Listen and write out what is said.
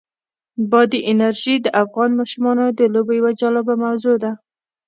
بادي انرژي د افغان ماشومانو د لوبو یوه جالبه موضوع ده.